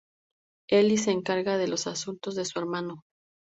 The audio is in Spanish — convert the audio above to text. Eli se encarga de los asuntos de su hermano.